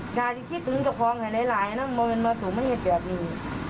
กาลก็คิดดื่มพร้อมให้หลายมาเป็นมาตรวกมันไฮทแบบนี้